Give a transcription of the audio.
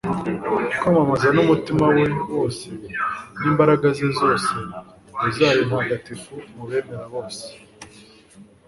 kwamamaza n'umutima we wose n'imbaraga ze zose rozari ntagatifu mu bemera bose